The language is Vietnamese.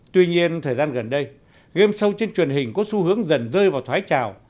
tuy nhiên thời gian gần đây game show trên truyền hình có xu hướng dần rơi vào thoái trào